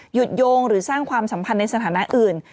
โยงหรือสร้างความสัมพันธ์ในสถานะอื่น